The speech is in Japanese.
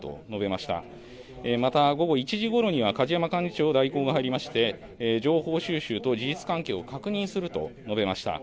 また午後１時ごろには梶山幹事長代行が入りまして情報収集と事実関係を確認すると述べました。